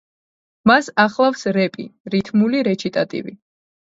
მას ახლავს რეპი, რითმული რეჩიტატივი.